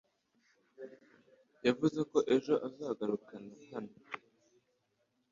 Yavuze ko ejo azagaruka hano.